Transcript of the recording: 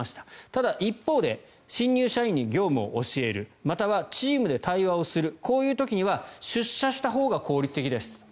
ただ一方で新入社員に業務を教えるまたはチームで対話をするこういう時には出社したほうが効率的です。